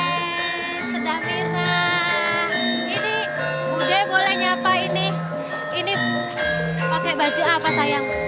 setelah sedah merah ini muda boleh nyapa ini pakai baju apa sayang